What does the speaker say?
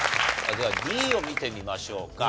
ではＤを見てみましょうか。